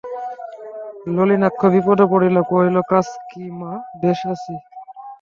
নলিনাক্ষ বিপদে পড়িল, কহিল, কাজ কী মা, বেশ আছি।